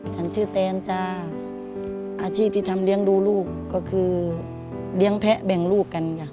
ฉันชื่อแตนจ้าอาชีพที่ทำเลี้ยงดูลูกก็คือเลี้ยงแพะแบ่งลูกกันค่ะ